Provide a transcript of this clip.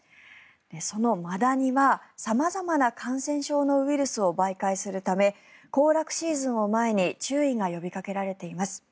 そのマダニは様々な感染症のウイルスを媒介するため行楽シーズンを前に注意が呼びかけられています。